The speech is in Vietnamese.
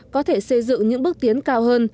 có thể xây dựng những bước tiến cao hơn